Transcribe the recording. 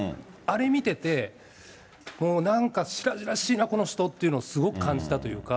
あれ見てて、なんか白々しいな、この人っていうのをすごく感じたというか。